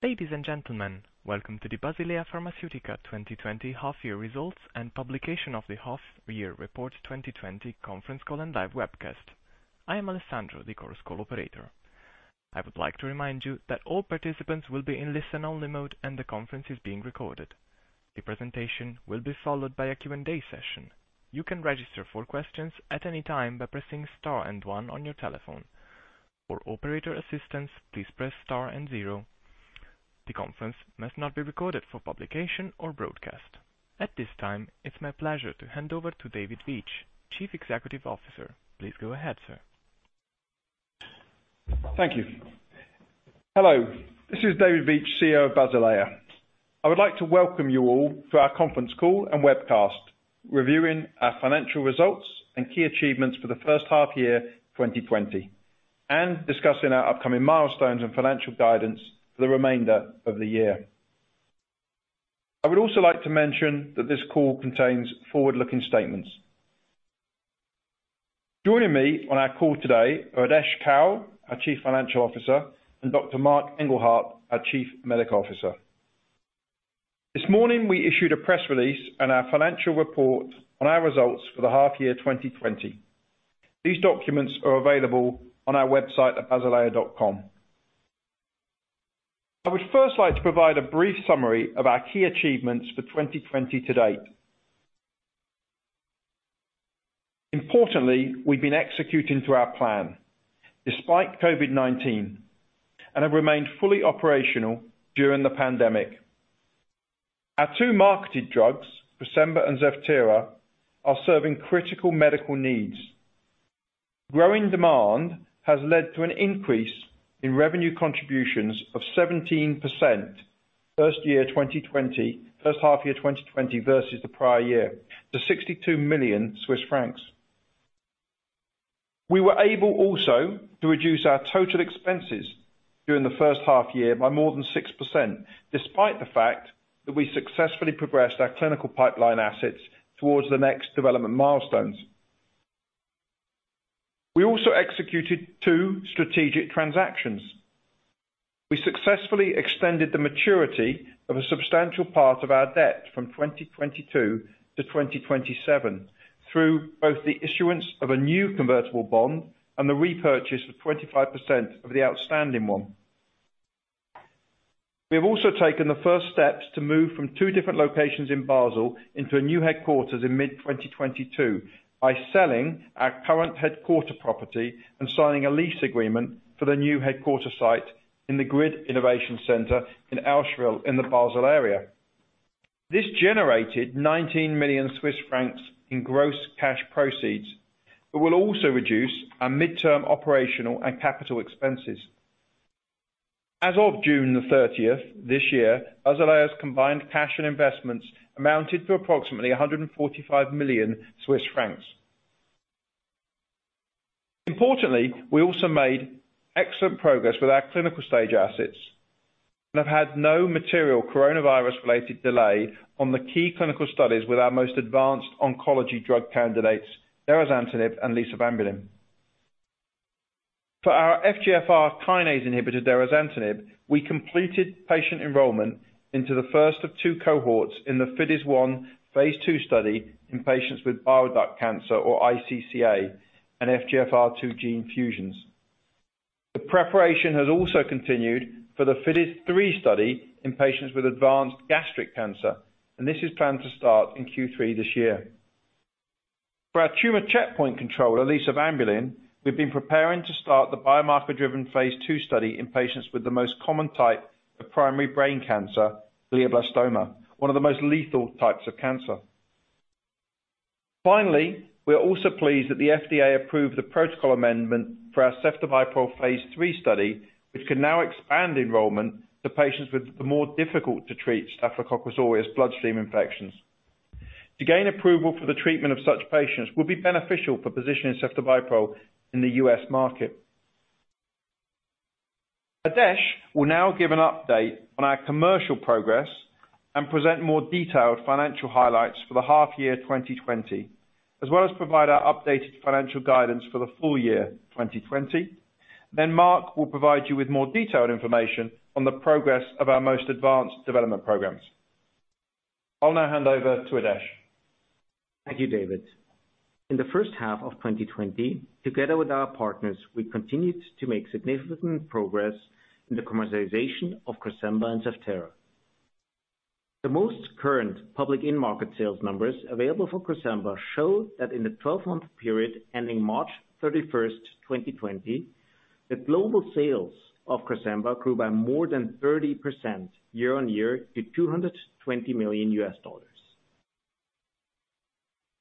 Ladies and gentlemen, welcome to the Basilea Pharmaceutica 2020 half-year results and publication of the half-year report 2020 conference call and live webcast. I am Alessandro, the Chorus Call operator. I would like to remind you that all participants will be in listen-only mode, and the conference is being recorded. The presentation will be followed by a Q&A session. You can register for questions at any time by pressing star and one on your telephone. For operator assistance, please press star and zero. The conference must not be recorded for publication or broadcast. At this time, it's my pleasure to hand over to David Veitch, Chief Executive Officer. Please go ahead, sir. Thank you. Hello, this is David Veitch, CEO of Basilea. I would like to welcome you all to our conference call and webcast, reviewing our financial results and key achievements for the first half year 2020 and discussing our upcoming milestones and financial guidance for the remainder of the year. I would also like to mention that this call contains forward-looking statements. Joining me on our call today are Adesh Kaul, our Chief Financial Officer, and Dr. Marc Engelhardt, our Chief Medical Officer. This morning, we issued a press release and our financial report on our results for the half year 2020. These documents are available on our website at basilea.com. I would first like to provide a brief summary of our key achievements for 2020 to date. Importantly, we've been executing to our plan despite COVID-19 and have remained fully operational during the pandemic. Our two marketed drugs, Cresemba and Zevtera, are serving critical medical needs. Growing demand has led to an increase in revenue contributions of 17% first half year 2020 versus the prior year to 62 million Swiss francs. We were able also to reduce our total expenses during the first half year by more than 6%, despite the fact that we successfully progressed our clinical pipeline assets towards the next development milestones. We also executed two strategic transactions. We successfully extended the maturity of a substantial part of our debt from 2022 to 2027 through both the issuance of a new convertible bond and the repurchase of 25% of the outstanding one. We have also taken the first steps to move from two different locations in Basel into a new headquarters in mid-2022 by selling our current headquarter property and signing a lease agreement for the new headquarter site in the GRID Campus of Collaboration in Allschwil in the Basel area. This generated 19 million Swiss francs in gross cash proceeds, but will also reduce our midterm operational and capital expenses. As of June 30th this year, Basilea's combined cash and investments amounted to approximately 145 million Swiss francs. Importantly, we also made excellent progress with our clinical stage assets and have had no material COVID-19-related delay on the key clinical studies with our most advanced oncology drug candidates, derazantinib and lisavanbulin. For our FGFR kinase inhibitor derazantinib, we completed patient enrollment into the first of two cohorts in the FIDES-01 phase II study in patients with bile duct cancer or iCCA and FGFR2 gene fusions. The preparation has also continued for the FIDES-03 study in patients with advanced gastric cancer, and this is planned to start in Q3 this year. For our tumor checkpoint controller lisavanbulin, we've been preparing to start the biomarker-driven phase II study in patients with the most common type of primary brain cancer, glioblastoma, one of the most lethal types of cancer. Finally, we are also pleased that the FDA approved the protocol amendment for our ceftobiprole phase III study, which can now expand enrollment to patients with the more difficult-to-treat Staphylococcus aureus bloodstream infections. To gain approval for the treatment of such patients will be beneficial for positioning ceftobiprole in the U.S. market. Adesh will now give an update on our commercial progress and present more detailed financial highlights for the half year 2020, as well as provide our updated financial guidance for the full year 2020. Marc will provide you with more detailed information on the progress of our most advanced development programs. I'll now hand over to Adesh. Thank you, David. In the first half of 2020, together with our partners, we continued to make significant progress in the commercialization of Cresemba and Zevtera. The most current public end market sales numbers available for Cresemba show that in the 12-month period ending March 31st, 2020, the global sales of Cresemba grew by more than 30% year-on-year to $220 million.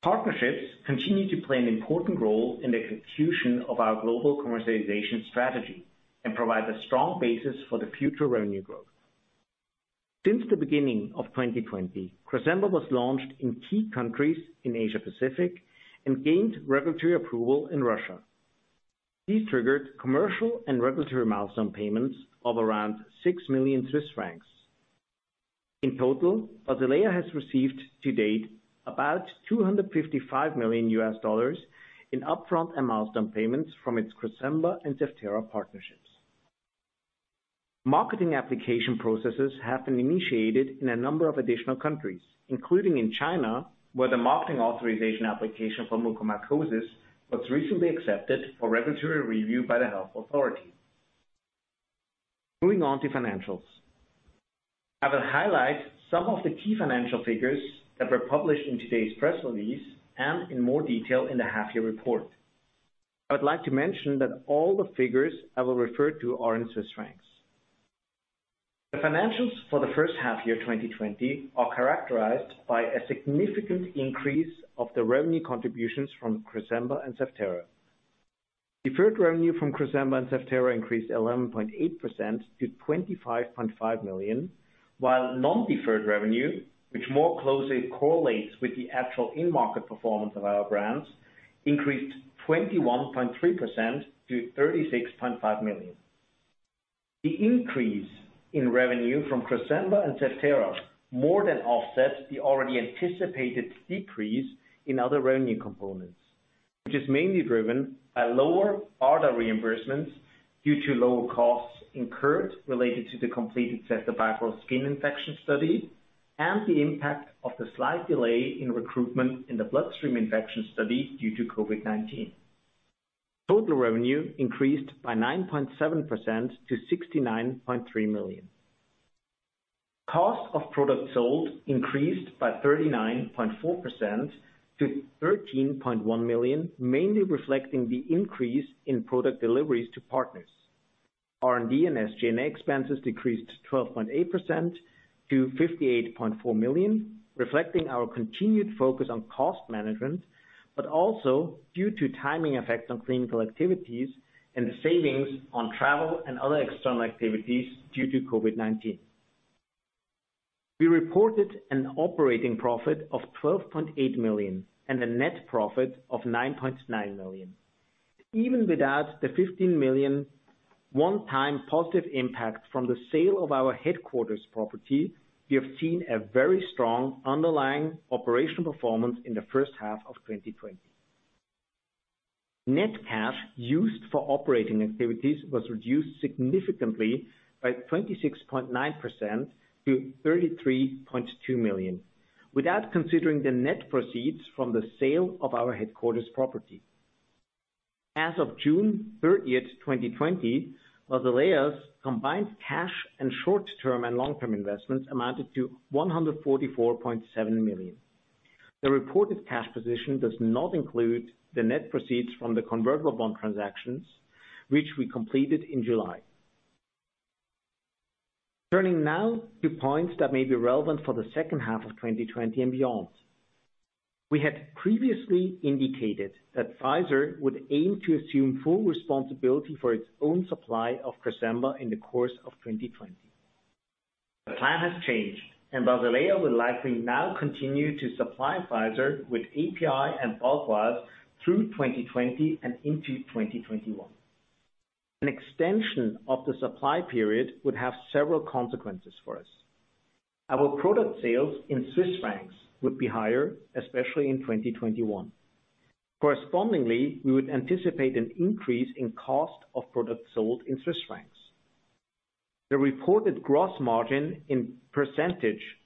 Partnerships continue to play an important role in the execution of our global commercialization strategy and provide a strong basis for the future revenue growth. Since the beginning of 2020, Cresemba was launched in key countries in Asia-Pacific and gained regulatory approval in Russia. These triggered commercial and regulatory milestone payments of around 6 million Swiss francs. In total, Basilea has received to date about CHF 255 million in upfront and milestone payments from its Cresemba and Zevtera partnerships. Marketing application processes have been initiated in a number of additional countries, including in China, where the marketing authorization application for mucormycosis was recently accepted for regulatory review by the health authority. Moving on to financials. I will highlight some of the key financial figures that were published in today's press release and in more detail in the half year report. I would like to mention that all the figures I will refer to are in Swiss francs. The financials for the first half year 2020 are characterized by a significant increase of the revenue contributions from Cresemba and Zevtera. Deferred revenue from Cresemba and Zevtera increased 11.8% to 25.5 million, while non-deferred revenue, which more closely correlates with the actual in-market performance of our brands, increased 21.3% to 36.5 million. The increase in revenue from Cresemba and Zevtera more than offsets the already anticipated decrease in other revenue components, which is mainly driven by lower BARDA reimbursements due to lower costs incurred related to the completed ceftobiprole skin infection study and the impact of the slight delay in recruitment in the bloodstream infection study due to COVID-19. Total revenue increased by 9.7% to 69.3 million. Cost of product sold increased by 39.4% to 13.1 million, mainly reflecting the increase in product deliveries to partners. R&D and SG&A expenses decreased 12.8% to 58.4 million, reflecting our continued focus on cost management, but also due to timing effects on clinical activities and the savings on travel and other external activities due to COVID-19. We reported an operating profit of 12.8 million and a net profit of 9.9 million. Even without the 15 million one-time positive impact from the sale of our headquarters property, we have seen a very strong underlying operational performance in the first half of 2020. Net cash used for operating activities was reduced significantly by 26.9% to 33.2 million without considering the net proceeds from the sale of our headquarters property. As of June 30th, 2020, Basilea's combined cash and short-term and long-term investments amounted to 144.7 million. The reported cash position does not include the net proceeds from the convertible bond transactions, which we completed in July. Turning now to points that may be relevant for the second half of 2020 and beyond. We had previously indicated that Pfizer would aim to assume full responsibility for its own supply of Cresemba in the course of 2020. The plan has changed. Basilea will likely now continue to supply Pfizer with API and bulk vials through 2020 and into 2021. An extension of the supply period would have several consequences for us. Our product sales in CHF would be higher, especially in 2021. Correspondingly, we would anticipate an increase in cost of product sold in CHF. The reported gross margin in %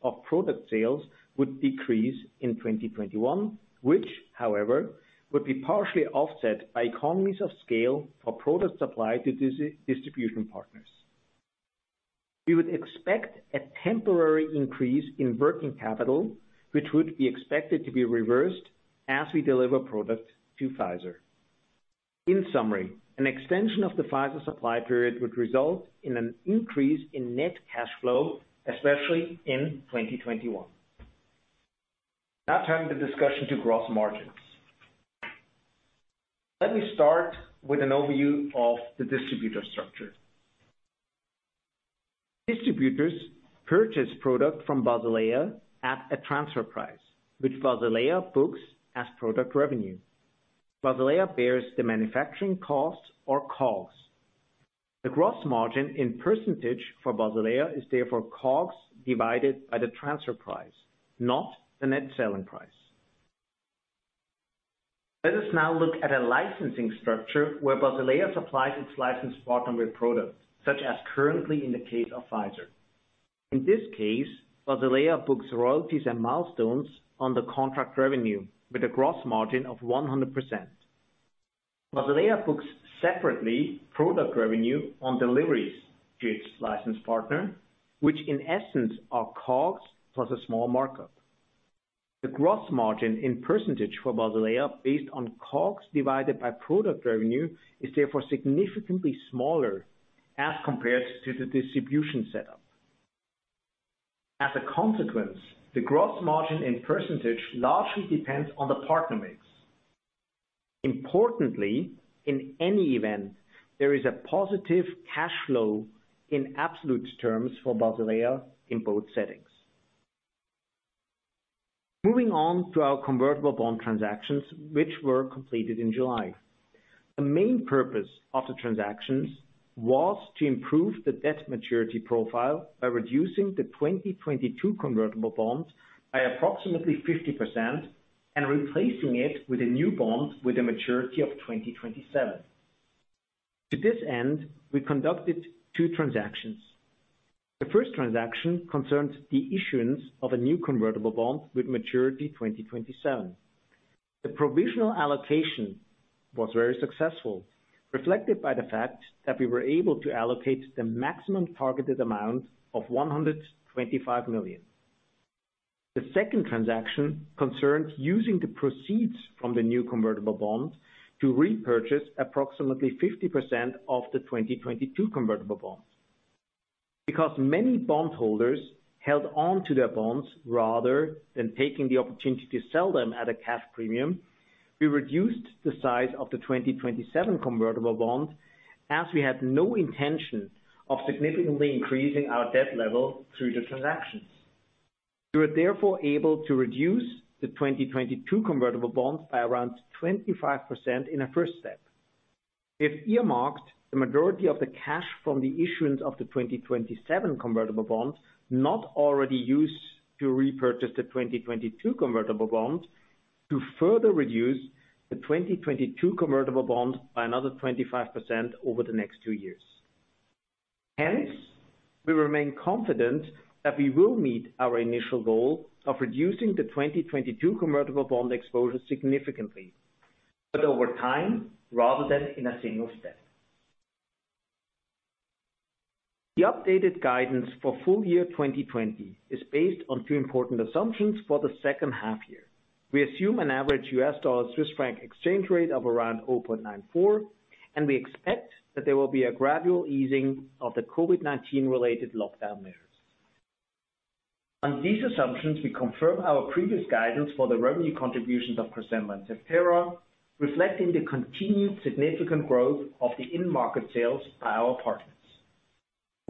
of product sales would decrease in 2021, which, however, would be partially offset by economies of scale for product supply to distribution partners. We would expect a temporary increase in working capital, which would be expected to be reversed as we deliver product to Pfizer. In summary, an extension of the Pfizer supply period would result in an increase in net cash flow, especially in 2021. Turning the discussion to gross margins. Let me start with an overview of the distributor structure. Distributors purchase product from Basilea at a transfer price, which Basilea books as product revenue. Basilea bears the manufacturing costs or COGS. The gross margin in % for Basilea is therefore COGS divided by the transfer price, not the net selling price. Let us now look at a licensing structure where Basilea supplies its licensed partner with product, such as currently in the case of Pfizer. In this case, Basilea books royalties and milestones under contract revenue with a gross margin of 100%. Basilea books separately product revenue on deliveries to its license partner, which in essence are COGS plus a small markup. The gross margin in % for Basilea based on COGS divided by product revenue is therefore significantly smaller as compared to the distribution setup. As a consequence, the gross margin in % largely depends on the partner mix. Importantly, in any event, there is a positive cash flow in absolute terms for Basilea in both settings. Moving on to our convertible bond transactions, which were completed in July. The main purpose of the transactions was to improve the debt maturity profile by reducing the 2022 convertible bonds by approximately 50% and replacing it with a new bond with a maturity of 2027. To this end, we conducted two transactions. The first transaction concerned the issuance of a new convertible bond with maturity 2027. The provisional allocation was very successful, reflected by the fact that we were able to allocate the maximum targeted amount of 125 million. The second transaction concerned using the proceeds from the new convertible bond to repurchase approximately 50% of the 2022 convertible bond. Because many bondholders held on to their bonds rather than taking the opportunity to sell them at a cash premium, we reduced the size of the 2027 convertible bond as we had no intention of significantly increasing our debt level through the transactions. We were therefore able to reduce the 2022 convertible bonds by around 25% in a first step. We've earmarked the majority of the cash from the issuance of the 2027 convertible bond not already used to repurchase the 2022 convertible bond to further reduce the 2022 convertible bond by another 25% over the next two years. Hence, we remain confident that we will meet our initial goal of reducing the 2022 convertible bond exposure significantly, but over time, rather than in a single step. The updated guidance for full year 2020 is based on two important assumptions for the second half year. We assume an average U.S. dollar-Swiss franc exchange rate of around 0.94, and we expect that there will be a gradual easing of the COVID-19 related lockdown measures. On these assumptions, we confirm our previous guidance for the revenue contributions of Cresemba and Zevtera, reflecting the continued significant growth of the end market sales by our partners.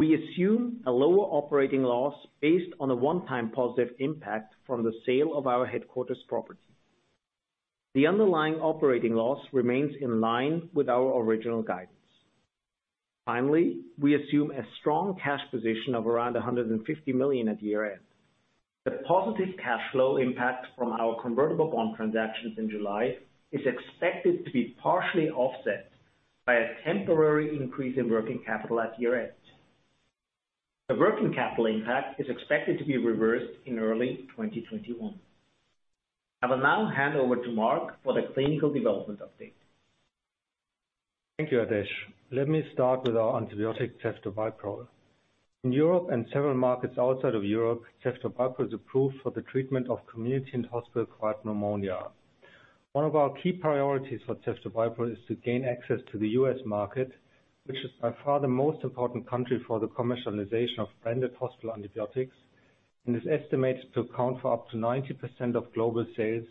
We assume a lower operating loss based on a one-time positive impact from the sale of our headquarters property. The underlying operating loss remains in line with our original guidance. Finally, we assume a strong cash position of around 150 million at year-end. The positive cash flow impact from our convertible bond transactions in July is expected to be partially offset by a temporary increase in working capital at year-end. The working capital impact is expected to be reversed in early 2021. I will now hand over to Marc for the clinical development update. Thank you, Adesh. Let me start with our antibiotic, ceftobiprole. In Europe and several markets outside of Europe, ceftobiprole is approved for the treatment of community and hospital-acquired pneumonia. One of our key priorities for ceftobiprole is to gain access to the U.S. market, which is by far the most important country for the commercialization of branded hospital antibiotics and is estimated to account for up to 90% of global sales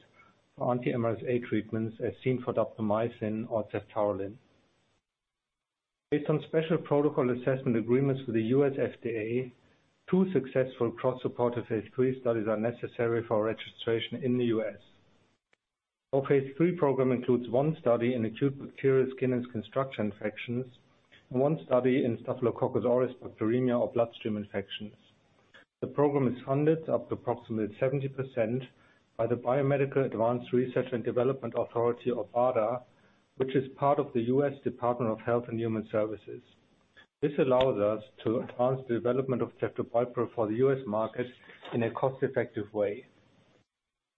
for anti-MRSA treatments as seen for daptomycin or ceftaroline. Based on special protocol assessment agreements with the U.S. FDA, two successful cross-supportive phase III studies are necessary for registration in the U.S. Our phase III program includes one study in acute bacterial skin and skin structure infections, and one study in Staphylococcus aureus bacteremia or bloodstream infections. The program is funded up to approximately 70% by the Biomedical Advanced Research and Development Authority or BARDA, which is part of the U.S. Department of Health and Human Services. This allows us to advance the development of ceftobiprole for the U.S. market in a cost-effective way.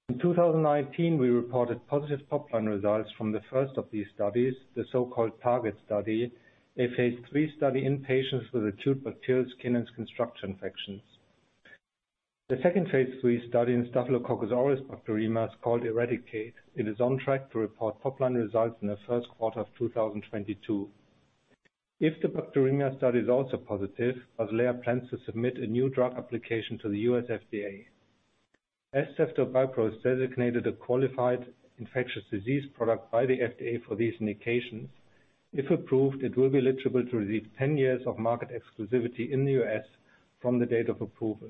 In 2019, we reported positive top-line results from the first of these studies, the so-called TARGET study, a phase III study in patients with acute bacterial skin and skin structure infections. The second phase III study in Staphylococcus aureus bacteremia is called ERADICATE. It is on track to report top-line results in the first quarter of 2022. If the bacteremia study is also positive, Basilea plans to submit a new drug application to the U.S. FDA. As ceftobiprole is designated a qualified infectious disease product by the FDA for these indications, if approved, it will be eligible to receive 10 years of market exclusivity in the U.S. from the date of approval.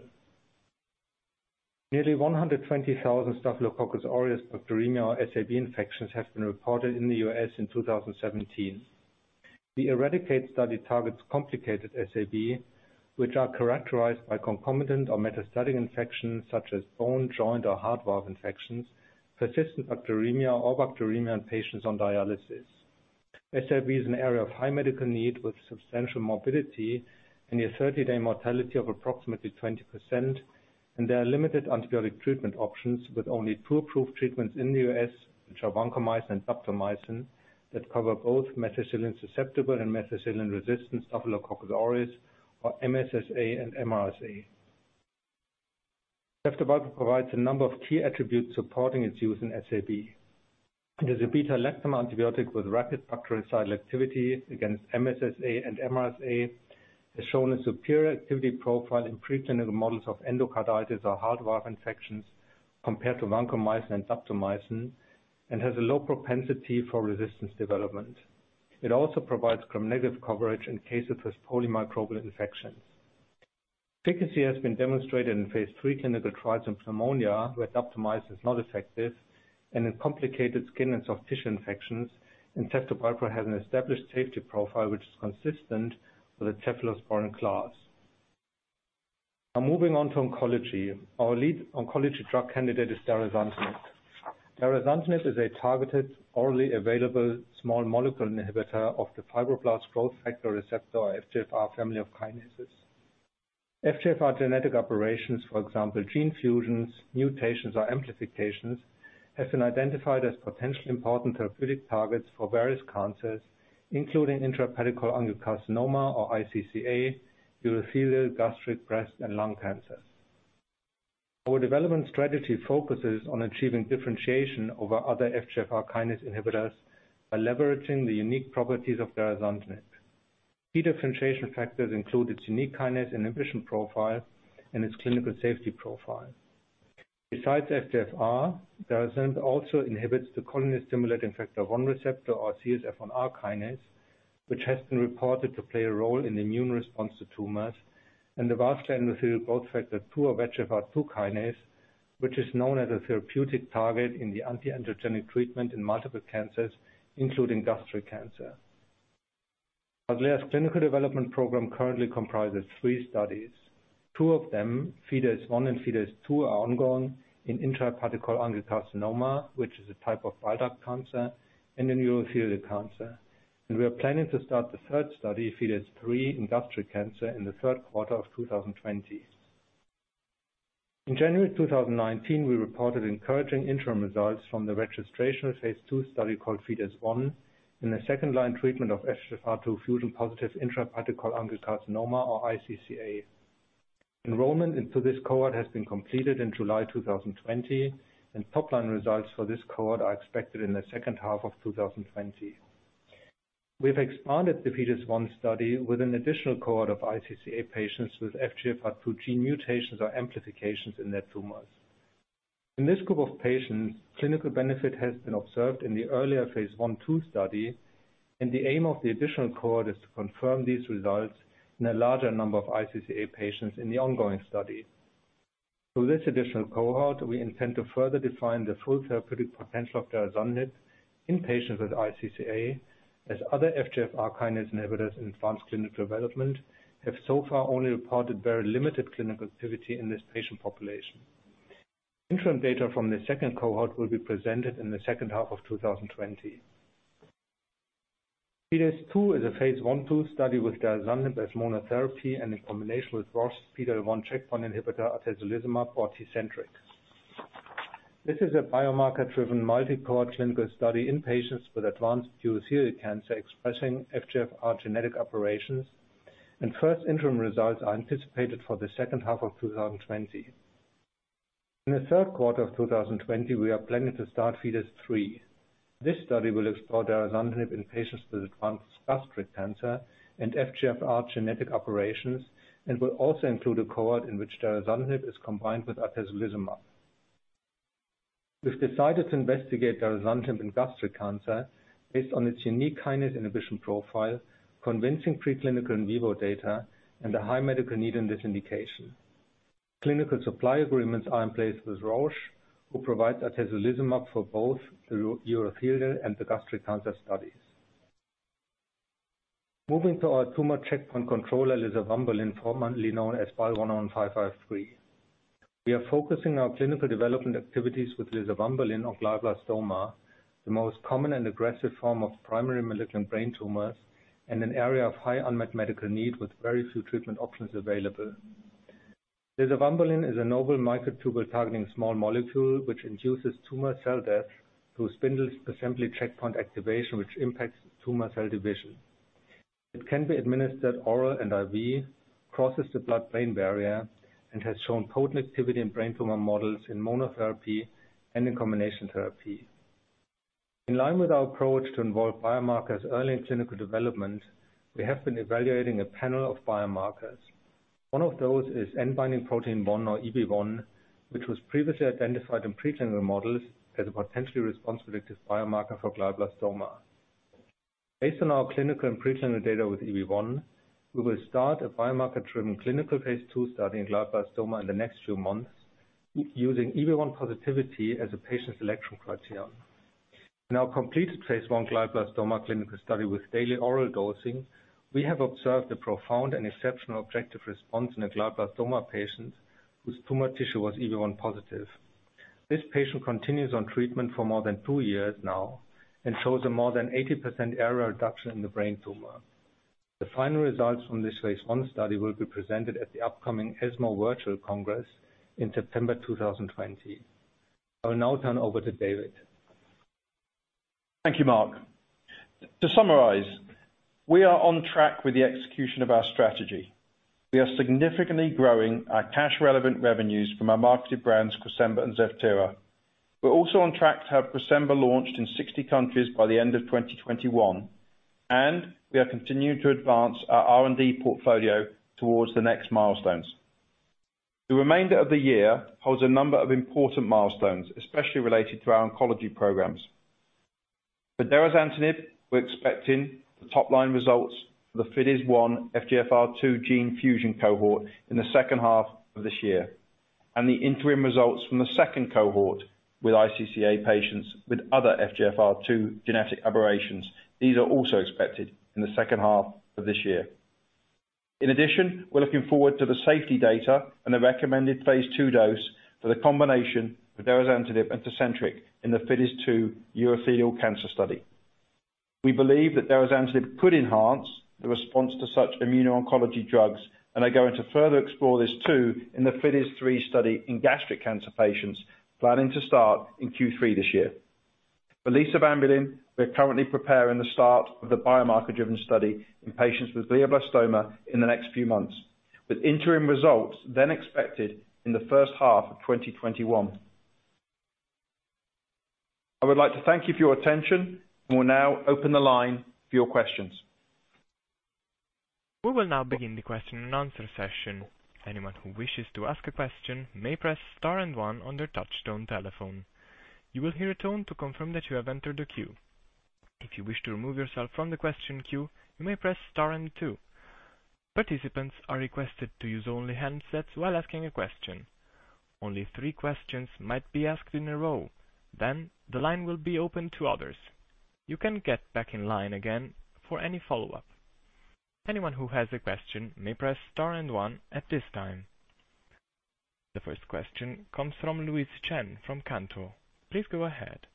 Nearly 120,000 Staphylococcus aureus bacteremia or SAB infections have been reported in the U.S. in 2017. The ERADICATE study targets complicated SAB, which are characterized by concomitant or metastatic infections such as bone, joint or heart valve infections, persistent bacteremia or bacteremia in patients on dialysis. SAB is an area of high medical need with substantial morbidity and a 30-day mortality of approximately 20%, and there are limited antibiotic treatment options with only two approved treatments in the U.S., which are vancomycin and daptomycin, that cover both methicillin-susceptible and methicillin-resistant Staphylococcus aureus, or MSSA and MRSA. Ceftobiprole provides a number of key attributes supporting its use in SAB. It is a beta-lactam antibiotic with rapid bactericidal activity against MSSA and MRSA, has shown a superior activity profile in preclinical models of endocarditis or heart valve infections compared to vancomycin and daptomycin, and has a low propensity for resistance development. It also provides gram-negative coverage in cases with polymicrobial infections. Efficacy has been demonstrated in phase III clinical trials in pneumonia where optimizers is not effective, and in complicated skin and soft tissue infections. Ceftobiprole has an established safety profile which is consistent with the cephalosporin class. Moving on to oncology. Our lead oncology drug candidate is derazantinib. Derazantinib is a targeted, orally available, small molecule inhibitor of the fibroblast growth factor receptor, FGFR, family of kinases. FGFR genetic aberrations, for example, gene fusions, mutations, or amplifications, have been identified as potentially important therapeutic targets for various cancers, including intrahepatic cholangiocarcinoma, or iCCA, urothelial, gastric, breast, and lung cancer. Our development strategy focuses on achieving differentiation over other FGFR kinase inhibitors by leveraging the unique properties of derazantinib. Key differentiation factors include its unique kinase inhibition profile and its clinical safety profile. Besides FGFR, derazantinib also inhibits the colony-stimulating factor one receptor, or CSF1R kinase, which has been reported to play a role in immune response to tumors, and the vascular endothelial growth factor 2, or VEGFR2 kinase, which is known as a therapeutic target in the anti-angiogenic treatment in multiple cancers, including gastric cancer. Basilea's clinical development program currently comprises three studies. Two of them, FIDES-01 and FIDES-02, are ongoing in intrahepatic cholangiocarcinoma, which is a type of bile duct cancer, and in urothelial cancer. We are planning to start the third study, FIDES-03, in gastric cancer in the third quarter of 2020. In January 2019, we reported encouraging interim results from the registration of phase II study called FIDES-01, in the second-line treatment of FGFR2 fusion-positive intrahepatic cholangiocarcinoma, or iCCA. Enrollment into this cohort has been completed in July 2020, and top-line results for this cohort are expected in the second half of 2020. We've expanded the FIDES-01 study with an additional cohort of iCCA patients with FGFR2 gene mutations or amplifications in their tumors. In this group of patients, clinical benefit has been observed in the earlier phase I/II study, and the aim of the additional cohort is to confirm these results in a larger number of iCCA patients in the ongoing study. Through this additional cohort, we intend to further define the full therapeutic potential of derazantinib in patients with iCCA, as other FGFR kinase inhibitors in advanced clinical development have so far only reported very limited clinical activity in this patient population. Interim data from the second cohort will be presented in the second half of 2020. FIDES-02 is a phase I/II study with derazantinib as monotherapy and in combination with Roche PD-1 checkpoint inhibitor, atezolizumab, or TECENTRIQ. This is a biomarker-driven multi-cohort clinical study in patients with advanced urothelial cancer expressing FGFR genetic operations, first interim results are anticipated for the second half of 2020. In the third quarter of 2020, we are planning to start FIDES-03. This study will explore derazantinib in patients with advanced gastric cancer and FGFR genetic operations, will also include a cohort in which derazantinib is combined with atezolizumab. We've decided to investigate derazantinib in gastric cancer based on its unique kinase inhibition profile, convincing preclinical in vivo data, and a high medical need in this indication. Clinical supply agreements are in place with Roche, who provides atezolizumab for both the urothelial and the gastric cancer studies. Moving to our tumor checkpoint controller, lisavanbulin, formerly known as BAL101553. We are focusing our clinical development activities with lisavanbulin on glioblastoma, the most common and aggressive form of primary malignant brain tumors, and an area of high unmet medical need with very few treatment options available. Lisavanbulin is a novel microtubule-targeting small molecule which induces tumor cell death through spindle assembly checkpoint activation, which impacts tumor cell division. It can be administered oral and IV, crosses the blood-brain barrier, and has shown potent activity in brain tumor models in monotherapy and in combination therapy. In line with our approach to involve biomarkers early in clinical development, we have been evaluating a panel of biomarkers. One of those is end binding protein 1, or EB1, which was previously identified in preclinical models as a potentially response-predictive biomarker for glioblastoma. Based on our clinical and preclinical data with EB1, we will start a biomarker-driven clinical phase II study in glioblastoma in the next few months using EB1 positivity as a patient selection criterion. In our completed phase I glioblastoma clinical study with daily oral dosing, we have observed a profound and exceptional objective response in a glioblastoma patient whose tumor tissue was EB1 positive. This patient continues on treatment for more than two years now and shows a more than 80% area reduction in the brain tumor. The final results from this phase I study will be presented at the upcoming ESMO Virtual Congress in September 2020. I will now turn over to David. Thank you, Marc. To summarize, we are on track with the execution of our strategy. We are significantly growing our cash-relevant revenues from our marketed brands, Cresemba and Zevtera. We're also on track to have Cresemba launched in 60 countries by the end of 2021. We are continuing to advance our R&D portfolio towards the next milestones. The remainder of the year holds a number of important milestones, especially related to our oncology programs. For derazantinib, we're expecting the top line results for the FIDES-01 FGFR2 gene fusion cohort in the second half of this year, and the interim results from the second cohort with iCCA patients with other FGFR2 genetic aberrations. These are also expected in the second half of this year. In addition, we're looking forward to the safety data and the recommended phase II dose for the combination of derazantinib and TECENTRIQ in the FIDES-02 urothelial cancer study. We believe that derazantinib could enhance the response to such immuno-oncology drugs, and are going to further explore this too in the FIDES-03 study in gastric cancer patients, planning to start in Q3 this year. For lisavanbulin, we're currently preparing the start of the biomarker-driven study in patients with glioblastoma in the next few months, with interim results then expected in the first half of 2021. I would like to thank you for your attention. We'll now open the line for your questions. We will now begin the question and answer session. Anyone who wishes to ask a question may press star and one on their touch-tone telephone. You will hear a tone to confirm that you have entered the queue. If you wish to remove yourself from the question queue, you may press star and two. Participants are requested to use only handsets while asking a question. Only three questions might be asked in a row, then the line will be open to others. You can get back in line again for any follow-up. Anyone who has a question may press star and one at this time. The first question comes from Louise Chen from Cantor. Please go ahead.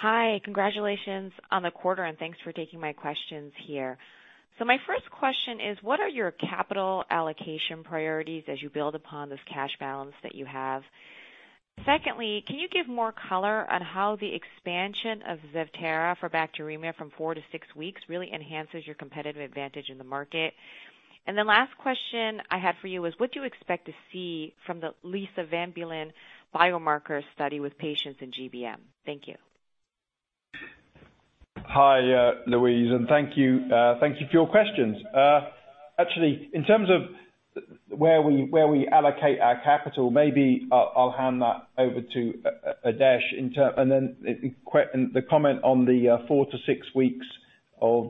Hi. Congratulations on the quarter, and thanks for taking my questions here. My first question is, what are your capital allocation priorities as you build upon this cash balance that you have? Secondly, can you give more color on how the expansion of Zevtera for bacteremia from four to six weeks really enhances your competitive advantage in the market? The last question I had for you was, what do you expect to see from the lisavanbulin biomarker study with patients in GBM? Thank you. Hi, Louise, and thank you for your questions. Actually, in terms of where we allocate our capital, maybe I'll hand that over to Adesh. The comment on the four to six weeks of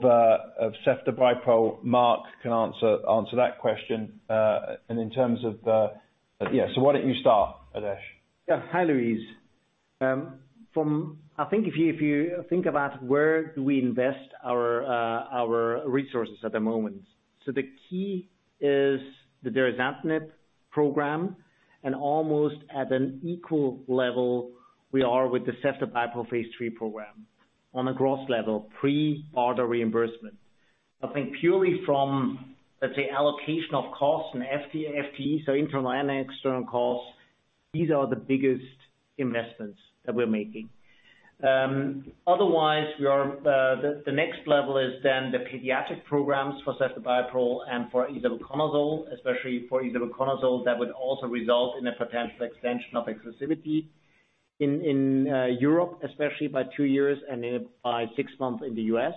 ceftobiprole, Marc can answer that question. Why don't you start, Adesh? Yeah. Hi, Louise. If you think about where do we invest our resources at the moment, the key is the derazantinib program, almost at an equal level, we are with the ceftobiprole phase III program on a gross level, pre order reimbursement. I think purely from, let's say, allocation of costs and FTEs, internal and external costs, these are the biggest investments that we're making. The next level is the pediatric programs for ceftobiprole and for isavuconazole, especially for isavuconazole that would also result in a potential extension of exclusivity in Europe, especially by two years and by six months in the U.S.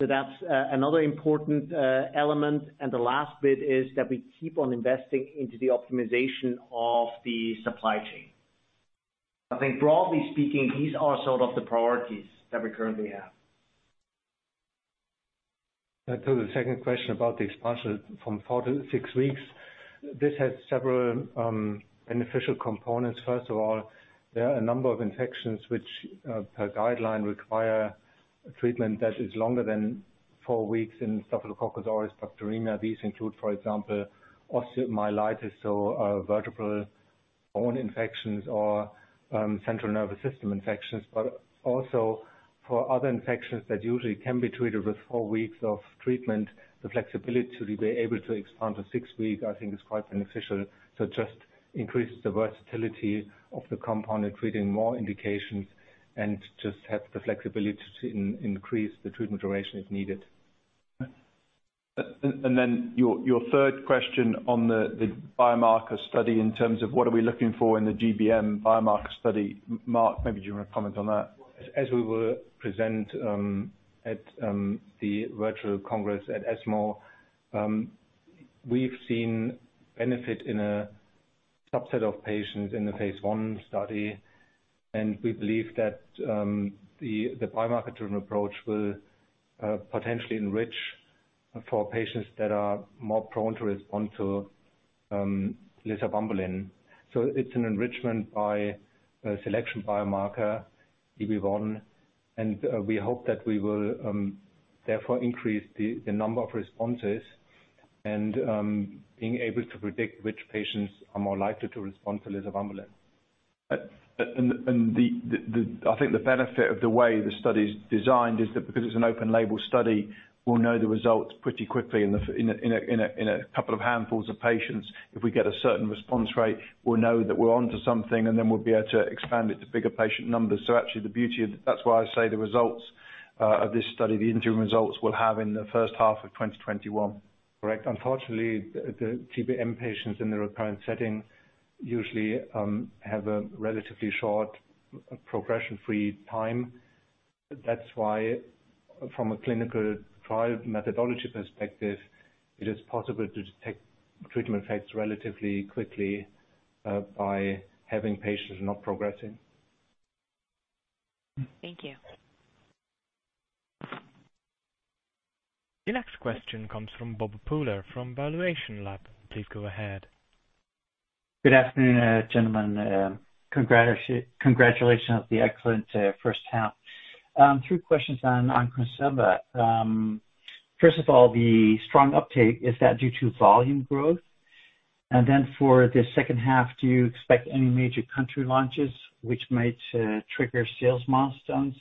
That's another important element, the last bit is that we keep on investing into the optimization of the supply chain. I think broadly speaking, these are sort of the priorities that we currently have. To the second question about the expansion from four to six weeks, this has several beneficial components. First of all, there are a number of infections which, Peer guideline, require treatment that is longer than four weeks in Staphylococcus aureus bacteremia. These include, for example, osteomyelitis, so vertebral bone infections or central nervous system infections. Also for other infections that usually can be treated with four weeks of treatment, the flexibility to be able to expand to six weeks I think is quite beneficial. It just increases the versatility of the compound in treating more indications and just have the flexibility to increase the treatment duration if needed. Your third question on the biomarker study in terms of what are we looking for in the GBM biomarker study. Marc, maybe do you want to comment on that? As we will present at the virtual congress at ESMO, we've seen benefit in a subset of patients in the phase I study. We believe that the biomarker-driven approach will potentially enrich for patients that are more prone to respond to lisavanbulin. It's an enrichment by a selection biomarker, EB1, and we hope that we will therefore increase the number of responses and being able to predict which patients are more likely to respond to lisavanbulin. I think the benefit of the way the study's designed is that because it's an open label study, we'll know the results pretty quickly in a couple of handfuls of patients. If we get a certain response rate, we'll know that we're onto something, and then we'll be able to expand it to bigger patient numbers. Actually, that's why I say the results of this study, the interim results we'll have in the first half of 2021. Correct. Unfortunately, the GBM patients in the recurrent setting usually have a relatively short progression-free time. That's why from a clinical trial methodology perspective, it is possible to detect treatment effects relatively quickly by having patients not progressing. Thank you. The next question comes from Bob Pooler from ValuationLAB. Please go ahead. Good afternoon, gentlemen. Congratulations on the excellent first half. Three questions on Cresemba. First of all, the strong uptake, is that due to volume growth? For the second half, do you expect any major country launches which might trigger sales milestones?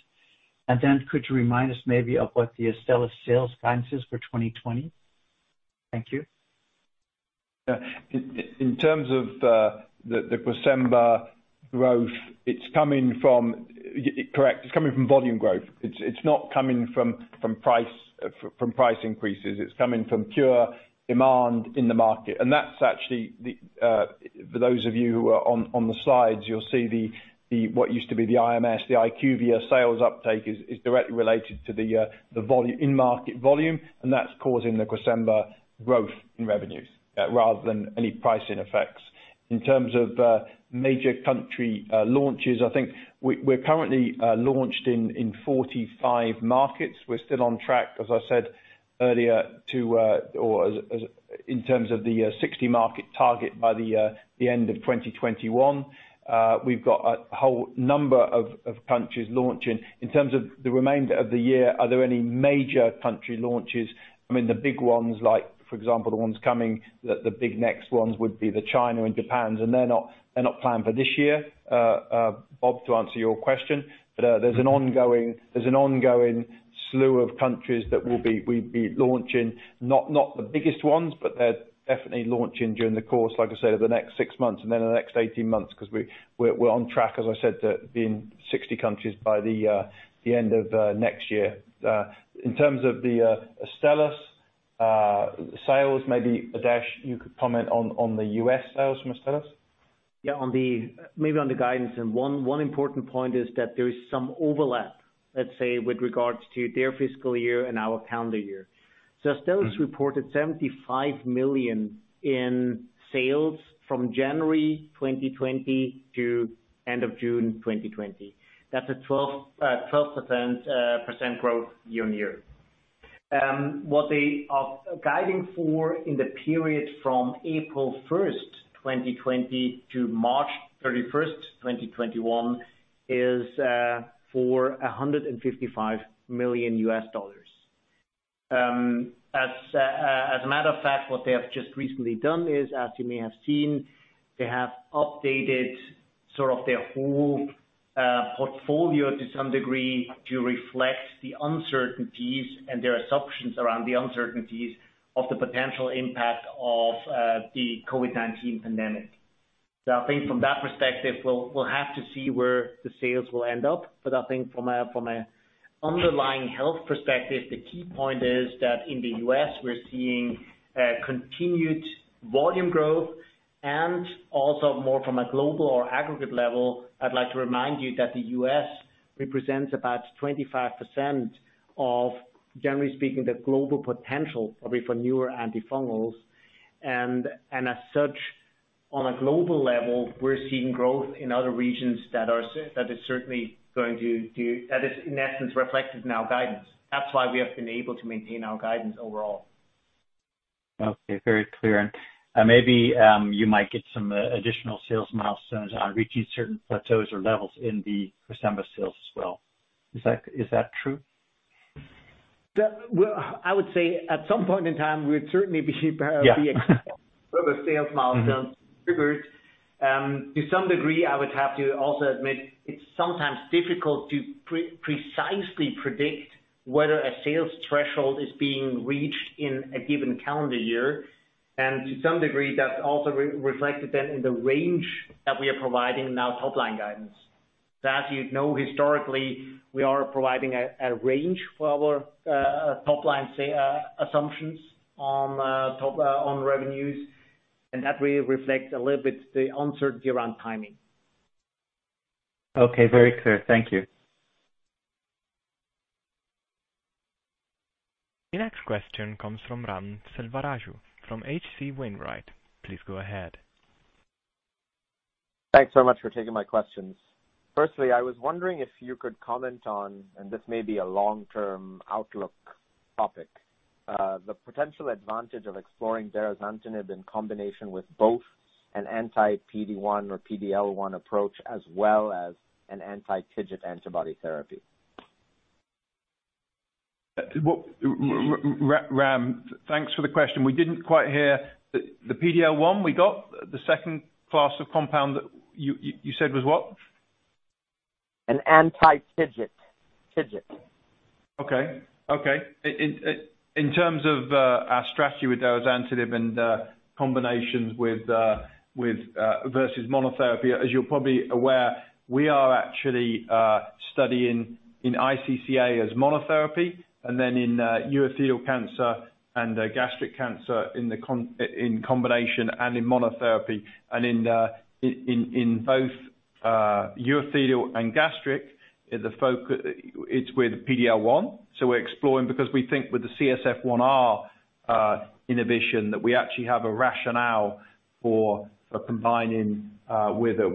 Could you remind us maybe of what the Astellas sales guidance is for 2020? Thank you. In terms of the Cresemba growth, it's coming from. Correct. It's coming from volume growth. It's not coming from price increases. It's coming from pure demand in the market. That's actually, for those of you who are on the slides, you'll see what used to be the IMS, the IQVIA sales uptake is directly related to the in-market volume, and that's causing the Cresemba growth in revenues rather than any pricing effects. In terms of major country launches, I think we're currently launched in 45 markets. We're still on track, as I said earlier, in terms of the 60-market target by the end of 2021. We've got a whole number of countries launching. In terms of the remainder of the year, are there any major country launches? I mean, the big ones like, for example, the ones coming, the big next ones would be China and Japan, they're not planned for this year, Bob, to answer your question. There's an ongoing slew of countries that we'd be launching, not the biggest ones, but they're definitely launching during the course, like I said, of the next six months and then the next 18 months because we're on track, as I said, to be in 60 countries by the end of next year. In terms of the Astellas sales, maybe Adesh, you could comment on the U.S. sales from Astellas. Maybe on the guidance and one important point is that there is some overlap, let's say, with regards to their fiscal year and our calendar year. Astellas reported $75 million in sales from January 2020 to end of June 2020. That's a 12% growth year-on-year. What they are guiding for in the period from April 1st, 2020 to March 31st, 2021 is for $155 million. As a matter of fact, what they have just recently done is, as you may have seen, they have updated sort of their whole portfolio to some degree to reflect the uncertainties and their assumptions around the uncertainties of the potential impact of the COVID-19 pandemic. I think from that perspective, we'll have to see where the sales will end up. I think from an underlying health perspective, the key point is that in the U.S. we're seeing continued volume growth and also more from a global or aggregate level. I'd like to remind you that the U.S. represents about 25% of, generally speaking, the global potential, probably for newer antifungals. As such, on a global level, we're seeing growth in other regions. That is, in essence, reflected in our guidance. That's why we have been able to maintain our guidance overall. Okay, very clear. Maybe you might get some additional sales milestones on reaching certain plateaus or levels in the Cresemba sales as well. Is that true? I would say at some point in time, we'd certainly be- Yeah. Further sales milestones triggered. To some degree, I would have to also admit it's sometimes difficult to precisely predict whether a sales threshold is being reached in a given calendar year, and to some degree, that's also reflected then in the range that we are providing in our top-line guidance. That you know historically, we are providing a range for our top-line assumptions on revenues. That really reflects a little bit the uncertainty around timing. Okay. Very clear. Thank you. The next question comes from Ram Selvaraju from H.C. Wainwright. Please go ahead. Thanks so much for taking my questions. Firstly, I was wondering if you could comment on, and this may be a long-term outlook topic, the potential advantage of exploring derazantinib in combination with both an anti-PD-1 or PD-L1 approach as well as an anti-TIGIT antibody therapy. Ram, thanks for the question. We didn't quite hear. The PD-L1 we got. The second class of compound that you said was what? An anti-TIGIT. TIGIT. Okay. In terms of our strategy with derazantinib and combinations versus monotherapy, as you're probably aware, we are actually studying in iCCA as monotherapy and then in urothelial cancer and gastric cancer in combination and in monotherapy and in both urothelial and gastric, the focus is with PD-L1. We're exploring, because we think with the CSF1R inhibition, that we actually have a rationale for combining with a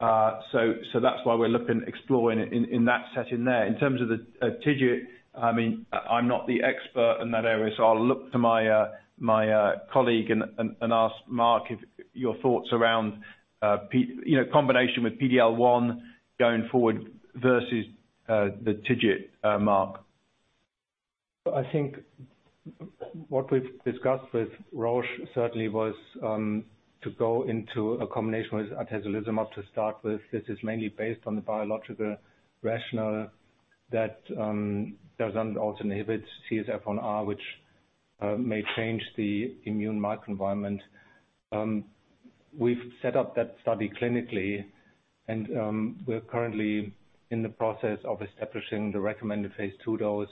PD-L1. That's why we're exploring it in that setting there. In terms of the TIGIT, I'm not the expert in that area, I'll look to my colleague and ask Marc your thoughts around combination with PD-L1 going forward versus the TIGIT, Marc. I think what we've discussed with Roche certainly was to go into a combination with atezolizumab to start with. This is mainly based on the biological rationale that derazantinib also inhibits CSF1R, which may change the immune microenvironment. We've set up that study clinically, and we're currently in the process of establishing the recommended phase II dose,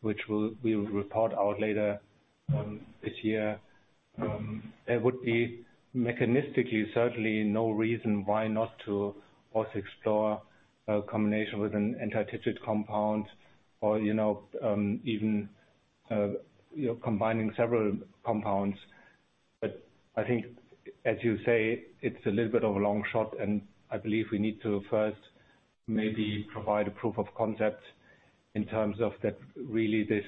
which we will report out later this year. There would be mechanistically, certainly no reason why not to also explore a combination with an anti-TIGIT compound or even combining several compounds. I think, as you say, it's a little bit of a long shot, and I believe we need to first maybe provide a proof of concept in terms of that really this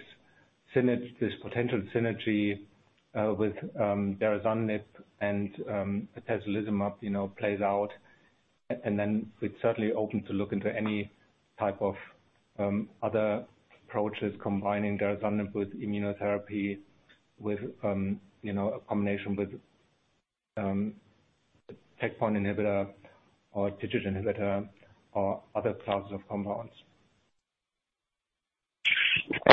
potential synergy with derazantinib and atezolizumab plays out, and then we're certainly open to look into any type of other approaches combining derazantinib with immunotherapy, with a combination with checkpoint inhibitor or TIGIT inhibitor or other classes of compounds.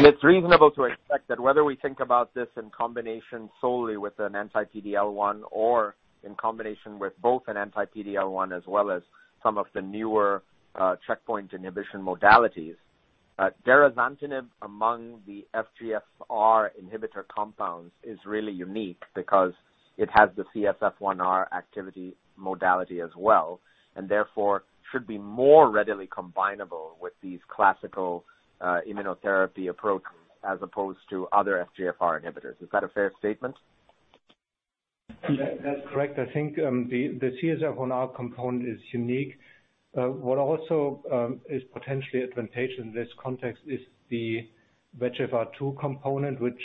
It's reasonable to expect that whether we think about this in combination solely with an anti-PD-L1 or in combination with both an anti-PD-L1 as well as some of the newer checkpoint inhibition modalities. derazantinib among the FGFR inhibitor compounds is really unique because it has the CSF1R activity modality as well, and therefore should be more readily combinable with these classical immunotherapy approaches as opposed to other FGFR inhibitors. Is that a fair statement? That's correct. I think the CSF1R component is unique. What also is potentially advantageous in this context is the VEGFR2 component, which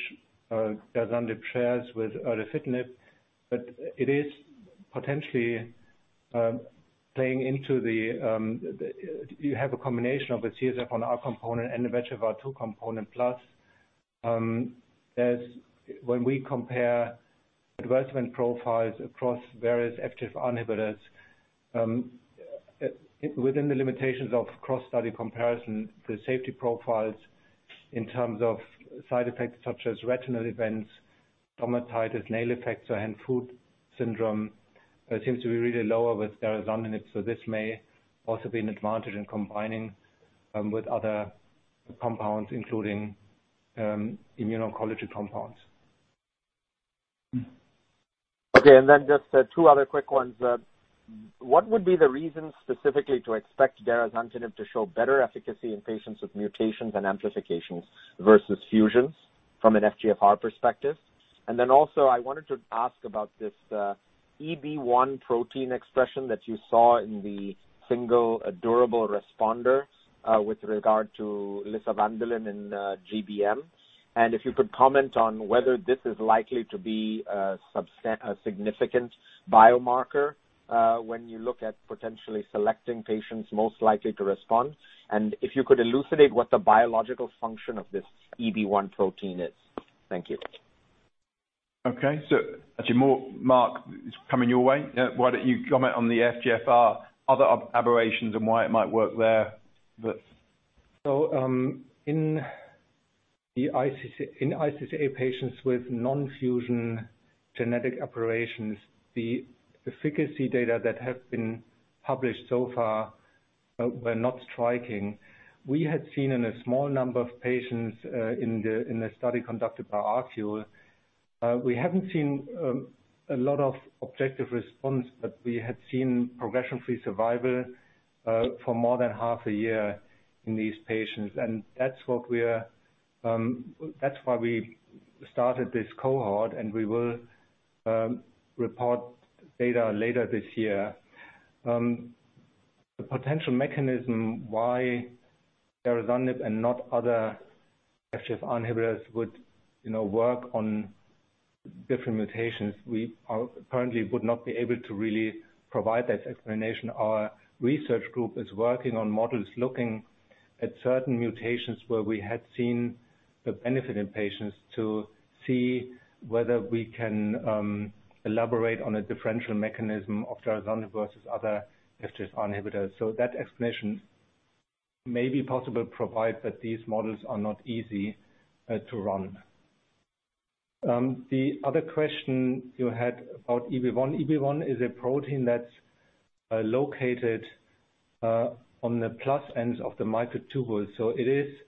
derazantinib shares with erdafitinib, but it is potentially playing into a combination of a CSF1R component and a VEGFR2 component plus. When we compare adverse event profiles across various FGFR inhibitors, within the limitations of cross-study comparison, the safety profiles in terms of side effects such as retinal events, dermatitis, nail effects or hand-foot syndrome, seems to be really lower with derazantinib. This may also be an advantage in combining with other compounds, including immuno-oncology compounds. Okay, just two other quick ones. What would be the reason specifically to expect derazantinib to show better efficacy in patients with mutations and amplifications versus fusions from an FGFR perspective? I wanted to ask about this EB1 protein expression that you saw in the single durable responder with regard to lisavanbulin in GBM. If you could comment on whether this is likely to be a significant biomarker when you look at potentially selecting patients most likely to respond. If you could elucidate what the biological function of this EB1 protein is. Thank you. Actually, Marc, it's coming your way. Why don't you comment on the FGFR other aberrations and why it might work there? In iCCA patients with non-fusion genetic aberrations, the efficacy data that have been published so far were not striking. We had seen in a small number of patients in a study conducted by ArQule. We haven't seen a lot of objective response, but we had seen progression-free survival for more than half a year in these patients. That's why we started this cohort, and we will report data later this year. The potential mechanism why derazantinib and not other FGFR inhibitors would work on different mutations, we currently would not be able to really provide that explanation. Our research group is working on models looking at certain mutations where we had seen the benefit in patients to see whether we can elaborate on a differential mechanism of derazantinib versus other FGFR inhibitors. That explanation may be possible, provided that these models are not easy to run. The other question you had about EB1. EB1 is a protein that's located on the plus ends of the microtubule. It is,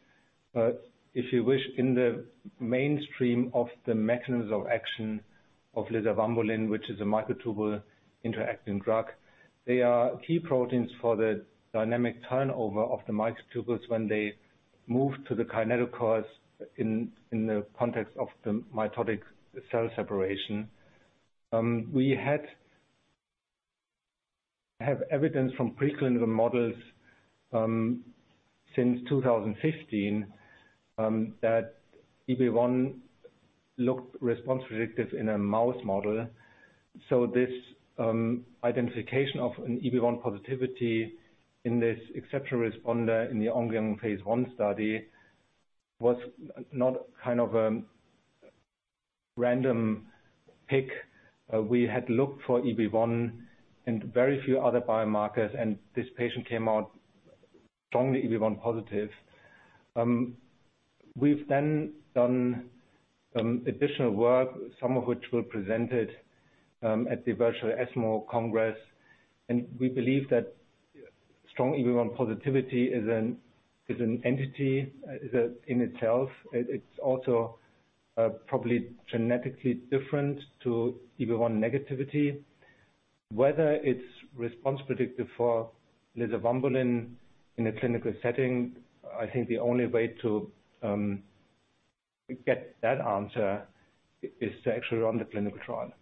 if you wish, in the mainstream of the mechanisms of action of lisavanbulin, which is a microtubule interacting drug. They are key proteins for the dynamic turnover of the microtubules when they move to the kinetochore in the context of the mitotic cell separation. We have evidence from preclinical models from since 2015, that EB1 looked response predictive in a mouse model. This identification of an EB1 positivity in this exceptional responder in the ongoing phase I study was not a random pick. We had looked for EB1 and very few other biomarkers, and this patient came out strongly EB1 positive. We've then done some additional work, some of which were presented at the virtual ESMO Congress, and we believe that strong EB1 positivity is an entity in itself. It's also probably genetically different to EB1 negativity. Whether it's response predictive for lisavanbulin in a clinical setting, I think the only way to get that answer is to actually run the clinical trial.